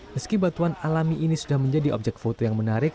meski batuan alami ini sudah menjadi objek foto yang menarik